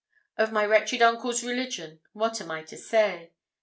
Of my wretched uncle's religion what am I to say?